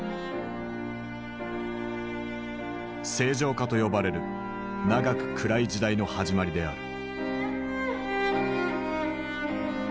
「正常化」と呼ばれる長く暗い時代の始まりである。